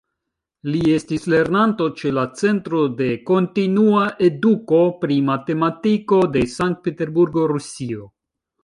Li estis lernanto ĉe la "Centro de Kontinua Eduko pri Matematiko" de Sankt-Peterburgo, Rusio.